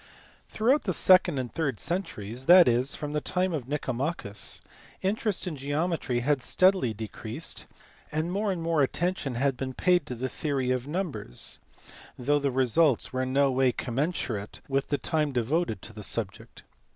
Throughout the second and third centuries, that is, from the time of Nicomachus, interest in geometry had steadily decreased, and more and more attention had been paid to the theory of numbers though the results were in no way com mensurate with the time devoted to the subject.